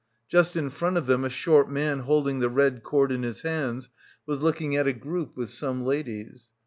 Just in front of them a short man holding the red cord in his hands was looking at a group with some ladies.